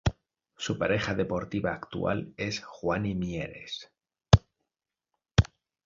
Su pareja deportiva actual es Juani Mieres.